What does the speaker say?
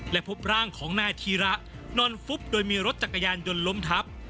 และพบร่างของนายธีระนอนฟุบโดยมีรถจักรยานยนต์ล้มทับ